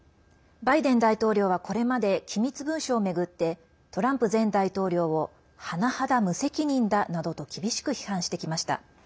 バイデン大統領はこれまで機密文書を巡ってトランプ前大統領をはなはだ無責任だなどと厳しく批判してきました。